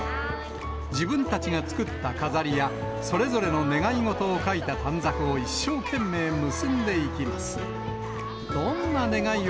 自分たちが作った飾りや、それぞれの願い事を書いた短冊を一生懸命結んでいきます。